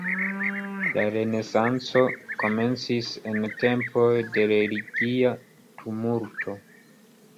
La Renesanco komencis en tempoj de religia tumulto.